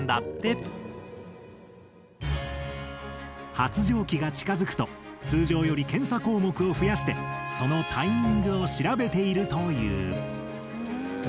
発情期が近づくと通常より検査項目を増やしてそのタイミングを調べているという。